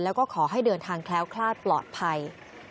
แล้วก็ขอให้เดินทางแคล้วคลาดปลอดภัย